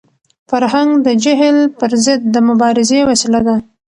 فرهنګ د جهل پر ضد د مبارزې وسیله ده.